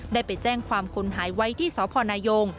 ได้ไปแจ้งความคนหายไว้ที่สพนายง